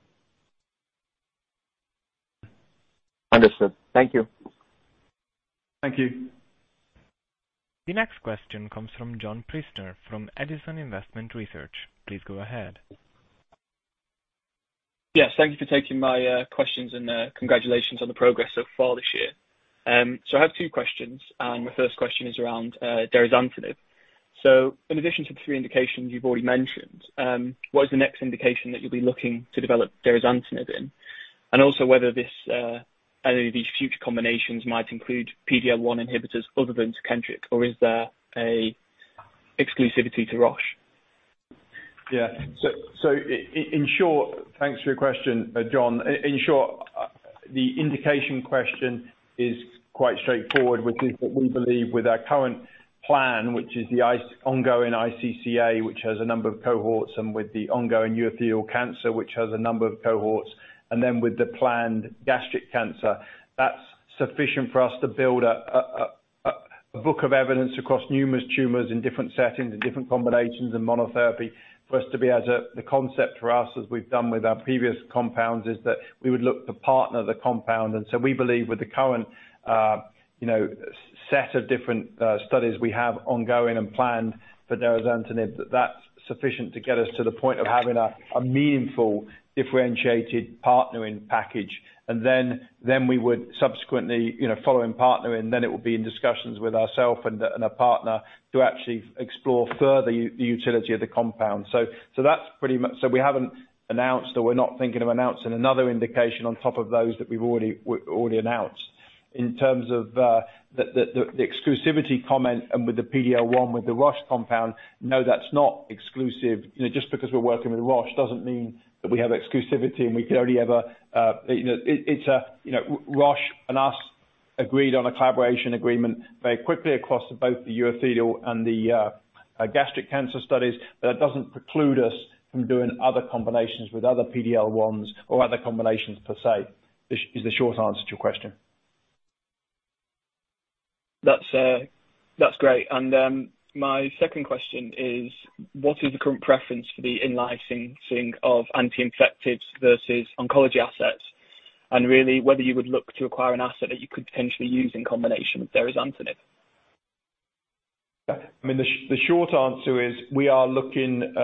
Understood. Thank you. Thank you. The next question comes from John Priestner from Edison Investment Research. Please go ahead. Yes, thank you for taking my questions. Congratulations on the progress so far this year. I have two questions. The first question is around derazantinib. In addition to the three indications you've already mentioned, what is the next indication that you'll be looking to develop derazantinib in? Also whether any of these future combinations might include PD-L1 inhibitors other than TECENTRIQ or is there a exclusivity to Roche? Yeah. Thanks for your question, John. In short, the indication question is quite straightforward, which is that we believe with our current plan, which is the ongoing iCCA, which has a number of cohorts, and with the ongoing urothelial cancer, which has a number of cohorts, and with the planned gastric cancer. That is sufficient for us to build a book of evidence across numerous tumors in different settings and different combinations in monotherapy. The concept for us, as we have done with our previous compounds, is that we would look to partner the compound. We believe with the current set of different studies we have ongoing and planned for derazantinib, that is sufficient to get us to the point of having a meaningful, differentiated partnering package. Then we would subsequently, following partnering, then it would be in discussions with ourself and a partner to actually explore further the utility of the compound. We haven't announced, or we're not thinking of announcing another indication on top of those that we've already announced. In terms of the exclusivity comment and with the PD-L1 with the Roche compound, no, that's not exclusive. Just because we're working with Roche doesn't mean that we have exclusivity and we can only Roche and us agreed on a collaboration agreement very quickly across both the urothelial and the gastric cancer studies. That doesn't preclude us from doing other combinations with other PD-L1s or other combinations per se, is the short answer to your question. That's great. My second question is, what is the current preference for the in-licensing of anti-infectives versus oncology assets? Really whether you would look to acquire an asset that you could potentially use in combination with derazantinib. The short answer is we are looking,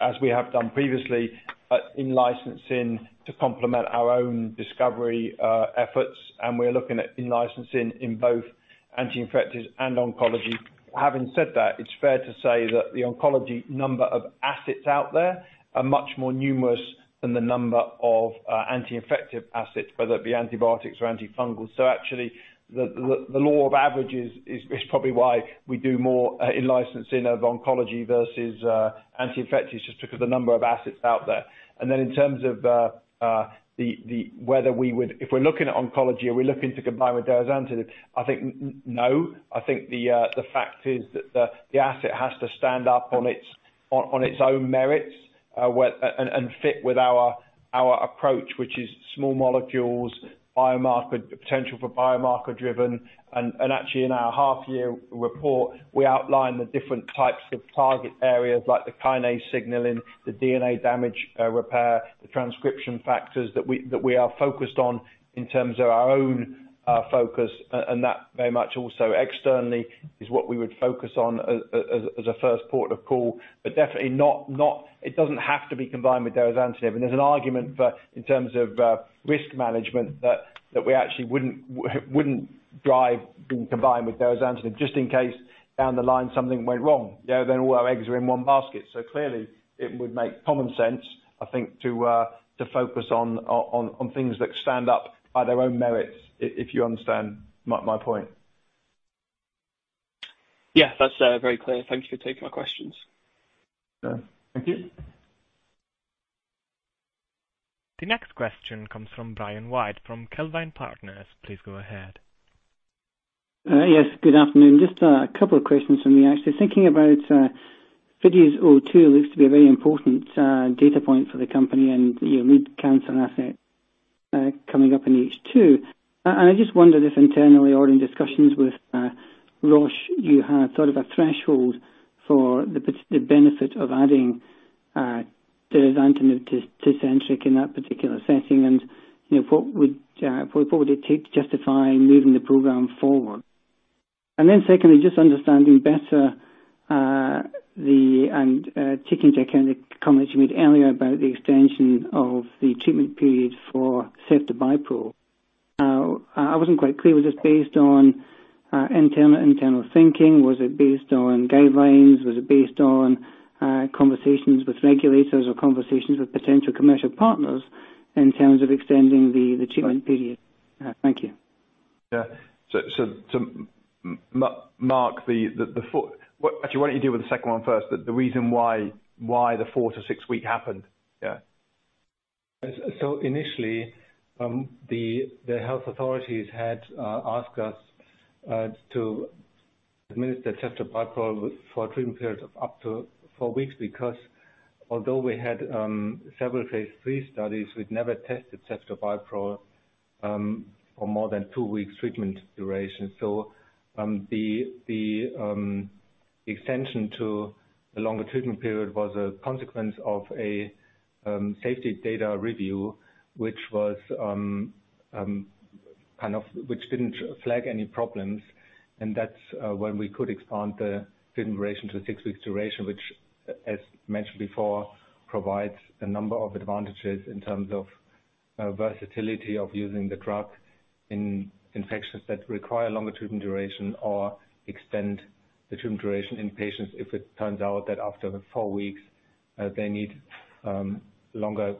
as we have done previously, at in-licensing to complement our own discovery efforts. We're looking at in-licensing in both anti-infectives and oncology. Having said that, it's fair to say that the oncology number of assets out there are much more numerous than the number of anti-infective assets, whether it be antibiotics or antifungals. Actually, the law of averages is probably why we do more in-licensing of oncology versus anti-infectives, just because the number of assets out there. In terms of if we're looking at oncology, are we looking to combine with derazantinib? I think, no. I think the fact is that the asset has to stand up on its own merits, and fit with our approach, which is small molecules, potential for biomarker-driven. Actually in our half-year report, we outline the different types of target areas like the kinase signaling, the DNA damage repair, the transcription factors that we are focused on in terms of our own focus, and that very much also externally is what we would focus on as a first port of call. Definitely it doesn't have to be combined with derazantinib. There's an argument for, in terms of risk management, that we actually wouldn't drive being combined with derazantinib just in case down the line something went wrong. Then all our eggs are in one basket. Clearly it would make common sense, I think, to focus on things that stand up by their own merits, if you understand my point. Yeah. That is very clear. Thank you for taking my questions. Thank you. The next question comes from Brian White, from Calvine Partners. Please go ahead. Yes. Good afternoon. Just a couple of questions from me, actually. Thinking about FIDES-02 looks to be a very important data point for the company and your lead cancer asset coming up in H2. I just wonder if internally or in discussions with Roche, you had sort of a threshold for the benefit of adding derazantinib to TECENTRIQ in that particular setting, and what would it take to justify moving the program forward? Secondly, just understanding better, and taking into account the comments you made earlier about the extension of the treatment period for ceftobiprole. I wasn't quite clear, was this based on internal thinking? Was it based on guidelines? Was it based on conversations with regulators or conversations with potential commercial partners in terms of extending the treatment period? Thank you. Yeah. Marc, actually, why don't you deal with the second one first, the reason why the four to six week happened. Yeah. Initially, the health authorities had asked us to administer ceftobiprole for a treatment period of up to four weeks because although we had several phase III studies, we'd never tested ceftobiprole for more than two weeks treatment duration. The extension to the longer treatment period was a consequence of a safety data review, which didn't flag any problems, and that's when we could expand the treatment duration to a six-week duration, which, as mentioned before, provides a number of advantages in terms of versatility of using the drug in infections that require longer treatment duration or extend the treatment duration in patients if it turns out that after the 4 weeks, they need longer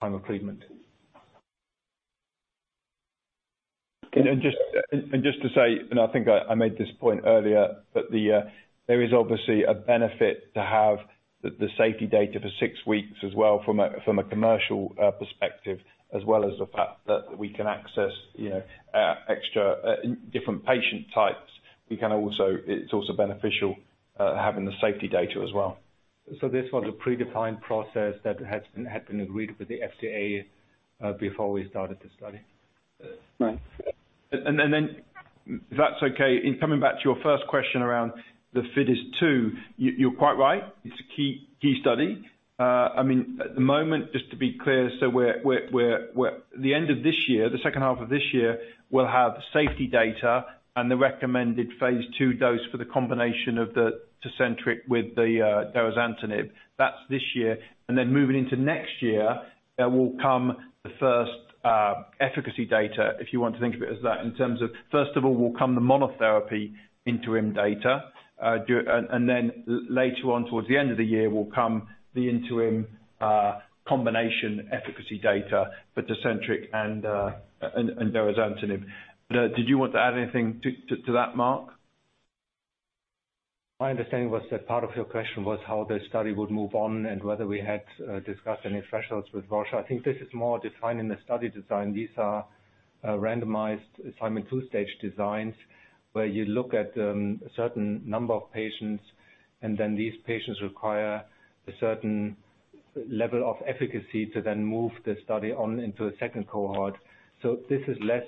time of treatment. Just to say, and I think I made this point earlier, that there is obviously a benefit to have the safety data for six weeks as well from a commercial perspective, as well as the fact that we can access extra different patient types. It's also beneficial having the safety data as well. This was a predefined process that had been agreed with the FDA before we started the study. Right. If that's okay, in coming back to your first question around the FIDES-02, you're quite right. It's a key study. At the moment, just to be clear, the end of this year, the second half of this year, we'll have safety data and the recommended phase II dose for the combination of the TECENTRIQ with the derazantinib. That's this year. Moving into next year, there will come the first efficacy data, if you want to think of it as that, in terms of, first of all, will come the monotherapy interim data, later on towards the end of the year will come the interim combination efficacy data for TECENTRIQ and derazantinib. Did you want to add anything to that, Marc? My understanding was that part of your question was how the study would move on and whether we had discussed any thresholds with Roche. I think this is more defined in the study design. These are randomized assignment two-stage designs where you look at a certain number of patients, and then these patients require a certain level of efficacy to then move the study on into a second cohort. This is less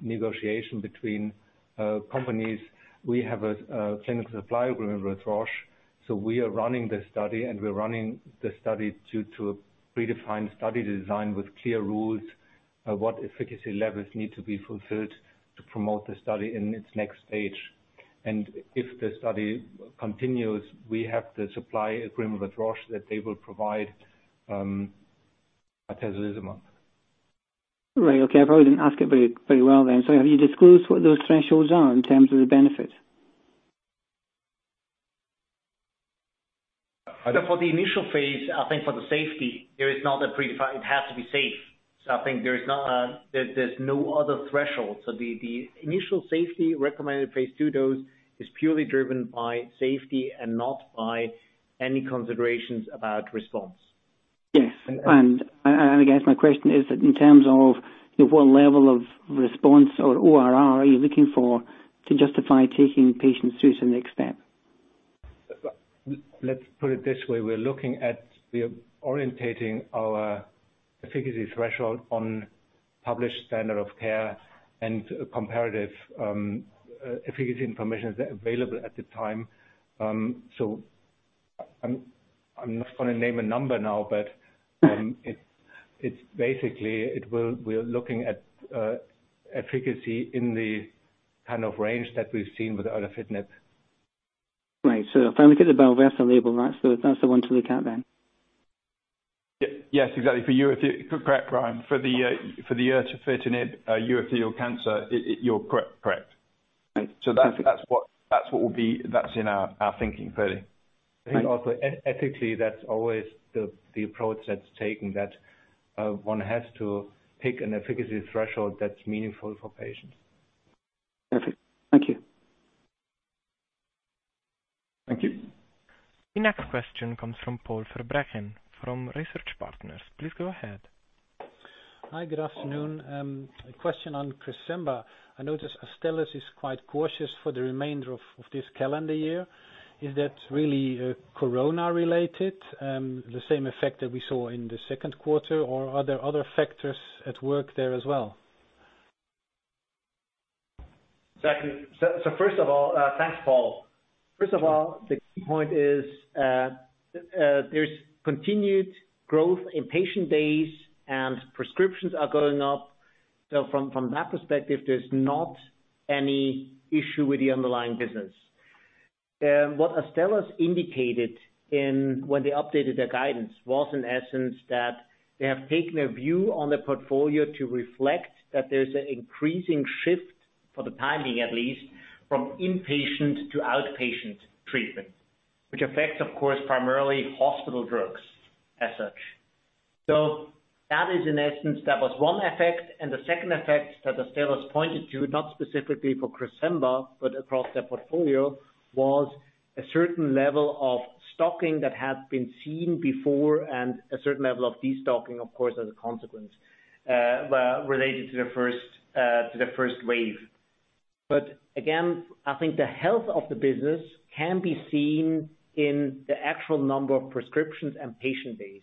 negotiation between companies. We have a clinical supply agreement with Roche. We are running the study, and we're running the study to a predefined study design with clear rules of what efficacy levels need to be fulfilled to promote the study in its next stage. If the study continues, we have the supply agreement with Roche that they will provide atezolizumab. Right. Okay. I probably didn't ask it very well then. Have you disclosed what those thresholds are in terms of the benefit? For the initial phase, I think for the safety, there is not a predefined. It has to be safe. I think there's no other threshold. The initial safety recommended phase II dose is purely driven by safety and not by any considerations about response. Yes. I guess my question is that in terms of what level of response or ORR are you looking for to justify taking patients through to the next step? Let's put it this way. We're orienting our efficacy threshold on published standard of care and comparative efficacy information available at the time. I'm not going to name a number now, but it's basically we're looking at efficacy in the kind of range that we've seen with erdafitinib. Right. If I look at the BALVERSA label, that's the one to look at then. Yes, exactly. Correct, Brian. For the erdafitinib urothelial cancer, you're correct. Thanks. That's in our thinking fully. Also ethically, that's always the approach that's taken that one has to pick an efficacy threshold that's meaningful for patients. Perfect. Thank you. Thank you. The next question comes from Paul Verbraeken from Research Partners. Please go ahead. Hi, good afternoon. A question on Cresemba. I noticed Astellas is quite cautious for the remainder of this calendar year. Is that really COVID-19 related, the same effect that we saw in the second quarter, or are there other factors at work there as well? First of all, thanks, Paul. First of all, the key point is there's continued growth in patient days and prescriptions are going up. From that perspective, there's not any issue with the underlying business. What Astellas indicated when they updated their guidance was, in essence, that they have taken a view on their portfolio to reflect that there's an increasing shift, for the time being at least, from inpatient to outpatient treatment, which affects, of course, primarily hospital drugs as such. That is in essence, that was one effect and the second effect that Astellas pointed to, not specifically for Cresemba, but across their portfolio, was a certain level of stocking that had been seen before and a certain level of destocking, of course, as a consequence related to the first wave. Again, I think the health of the business can be seen in the actual number of prescriptions and patient days.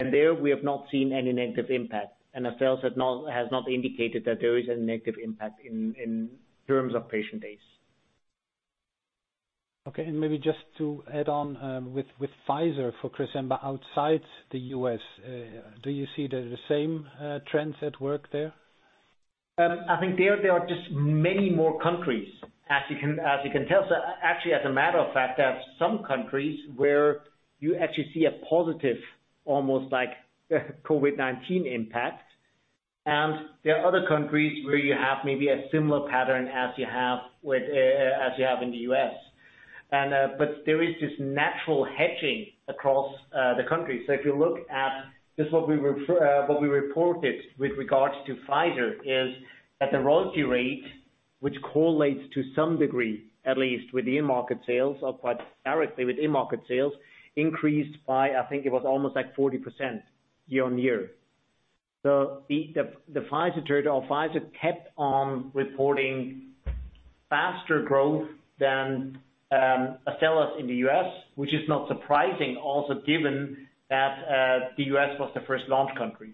There we have not seen any negative impact. Astellas has not indicated that there is a negative impact in terms of patient days. Okay, maybe just to add on with Pfizer for Cresemba outside the U.S. Do you see the same trends at work there? I think there are just many more countries as you can tell. Actually, as a matter of fact, there are some countries where you actually see a positive, almost like COVID-19 impact. There are other countries where you have maybe a similar pattern as you have in the U.S. There is this natural hedging across the country. If you look at just what we reported with regards to Pfizer is that the royalty rate, which correlates to some degree, at least with the in-market sales or quite directly with in-market sales, increased by I think it was almost at 40% year-on-year. The Pfizer kept on reporting faster growth than Astellas in the U.S., which is not surprising also given that the U.S. was the first launch country.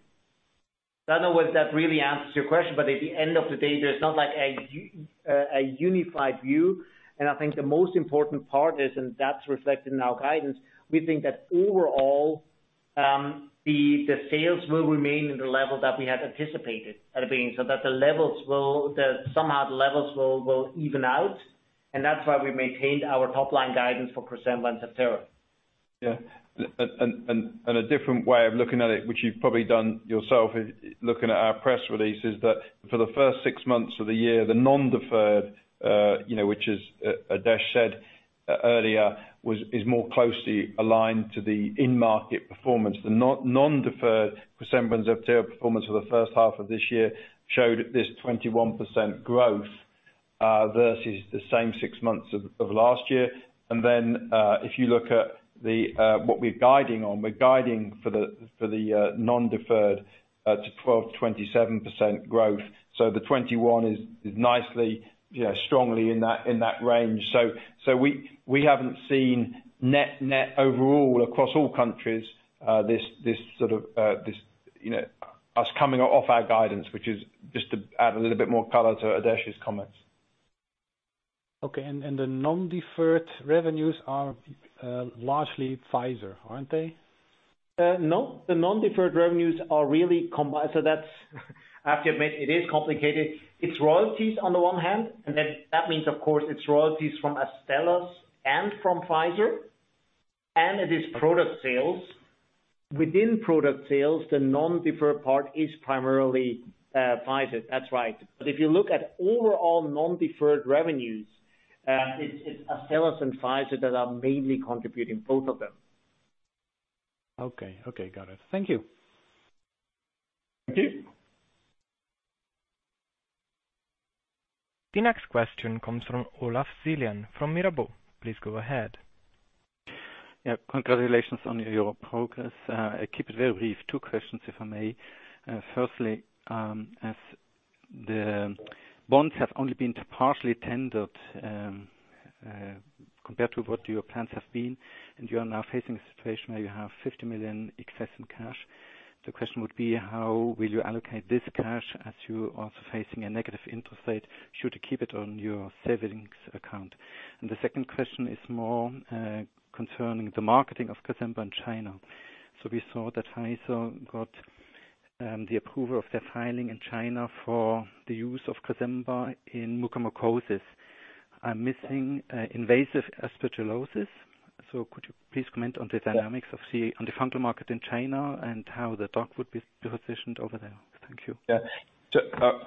I don't know whether that really answers your question, but at the end of the day, there's not a unified view, and I think the most important part is, and that's reflected in our guidance, we think that overall the sales will remain in the level that we had anticipated at the beginning, so that somehow the levels will even out. That's why we maintained our top-line guidance for Cresemba and Zevtera. Yeah. A different way of looking at it, which you've probably done yourself, looking at our press release, is that for the first six months of the year, the non-deferred which as Adesh said earlier, is more closely aligned to the in-market performance. The non-deferred for Cresemba and Zevtera performance for the first half of this year showed this 21% growth versus the same six months of last year. If you look at what we're guiding on, we're guiding for the non-deferred to 12%-27% growth. The 21 is nicely, strongly in that range. We haven't seen net-net overall across all countries us coming off our guidance, which is just to add a little bit more color to Adesh's comments. Okay, the non-deferred revenues are largely Pfizer, aren't they? No, the non-deferred revenues are really combined. I have to admit, it is complicated. It's royalties on the one hand, that means, of course, it's royalties from Astellas and from Pfizer, and it is product sales. Within product sales, the non-deferred part is primarily Pfizer. That's right. If you look at overall non-deferred revenues, it's Astellas and Pfizer that are mainly contributing both of them. Okay. Got it. Thank you. Thank you. The next question comes from Olav Zilian from Mirabaud. Please go ahead. Congratulations on your progress. I keep it very brief. Two questions, if I may. Firstly, as the bonds have only been partially tendered compared to what your plans have been, and you are now facing a situation where you have 50 million excess in cash. The question would be, how will you allocate this cash as you are also facing a negative interest rate should you keep it on your savings account? The second question is more concerning the marketing of Cresemba in China. We saw that Pfizer got the approval of their filing in China for the use of Cresemba in mucormycosis. I'm missing invasive aspergillosis. Could you please comment on the dynamics on the fungal market in China, and how the drug would be positioned over there? Thank you. Yeah.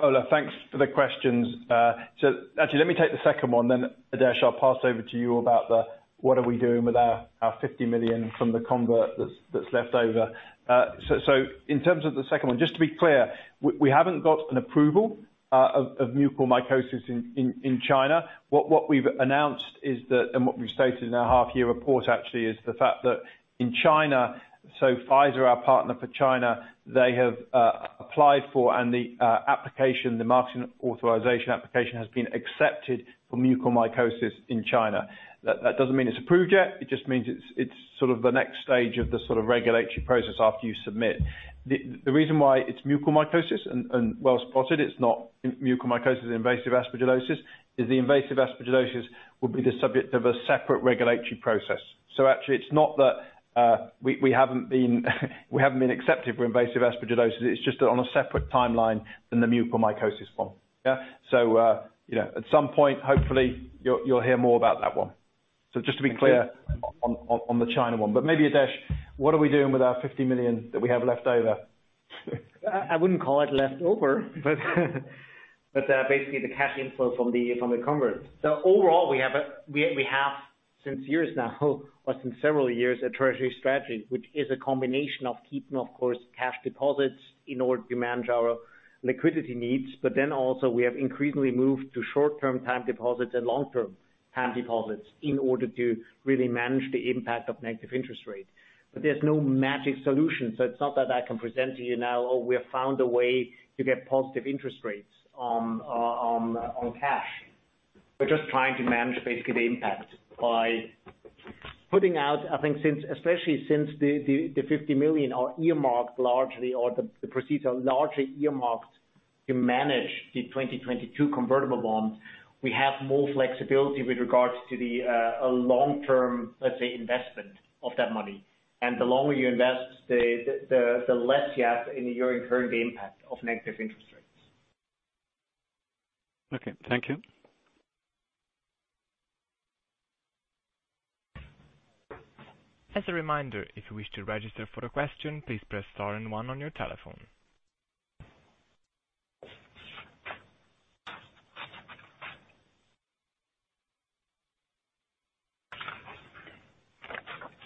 Olav, thanks for the questions. Actually, let me take the second one, then Adesh, I'll pass over to you about the what are we doing with our 50 million from the convert that's left over. In terms of the second one, just to be clear, we haven't got an approval of mucormycosis in China. What we've announced is that, and what we've stated in our half year report actually, is the fact that in China, so Pfizer, our partner for China, they have applied for and the application, the marketing authorization application, has been accepted for mucormycosis in China. That doesn't mean it's approved yet, it just means it's sort of the next stage of the sort of regulatory process after you submit. The reason why it's mucormycosis, and well spotted it's not mucormycosis invasive aspergillosis, is the invasive aspergillosis will be the subject of a separate regulatory process. Actually, it's not that we haven't been accepted for invasive aspergillosis, it's just on a separate timeline than the mucormycosis one. Yeah. At some point, hopefully, you'll hear more about that one. Just to be clear on the China one. Maybe Adesh, what are we doing with our 50 million that we have left over? I wouldn't call it left over. Basically, the cash inflow from the convertible bonds. Overall, we have since years now, or since several years, a treasury strategy, which is a combination of keeping, of course, cash deposits in order to manage our liquidity needs. Also, we have increasingly moved to short-term time deposits and long-term time deposits in order to really manage the impact of negative interest rates. There's no magic solution. It's not that I can present to you now, oh, we have found a way to get positive interest rates on cash. We're just trying to manage basically the impact by putting out, I think especially since the 50 million are earmarked largely, or the proceeds are largely earmarked to manage the 2022 convertible bonds. We have more flexibility with regards to the long-term, let's say, investment of that money. The longer you invest, the less you have in your incurred impact of negative interest rates. Okay. Thank you. As a reminder, if you wish to register for a question, please press star and one on your telephone.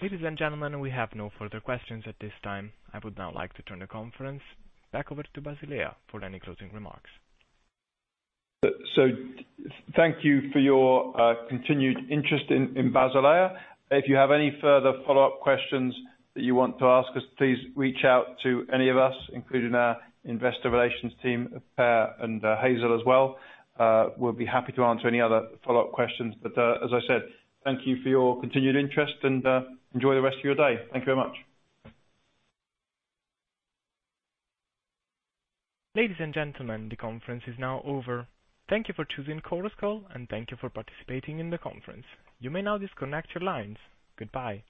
Ladies and gentlemen, we have no further questions at this time. I would now like to turn the conference back over to Basilea for any closing remarks. Thank you for your continued interest in Basilea. If you have any further follow-up questions that you want to ask us, please reach out to any of us, including our investor relations team, Per and Hazel as well. We'll be happy to answer any other follow-up questions. As I said, thank you for your continued interest and enjoy the rest of your day. Thank you very much. Ladies and gentlemen, the conference is now over. Thank you for choosing Chorus Call, and thank you for participating in the conference. You may now disconnect your lines. Goodbye.